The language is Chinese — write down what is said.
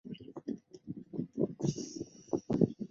这是爱尔兰第八次参加冬季奥林匹克运动会。